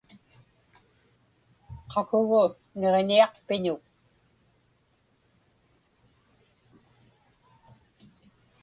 Qakugu niġiñiaqpiñuk?